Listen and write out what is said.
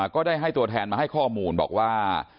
ก็ได้ให้ตัวแทนมาให้ข้อมูลบอกว่า